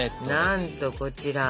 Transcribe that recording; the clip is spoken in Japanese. なんとこちら。